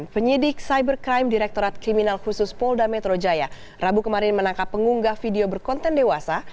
penyidik cybercrime direktorat kriminal khusus polda metro jaya rabu kemarin menangkap pengunggah video berkonten dewasa